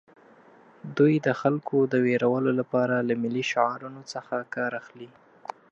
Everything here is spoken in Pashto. دوی د خلکو د ویرولو لپاره له ملي شعارونو څخه کار اخلي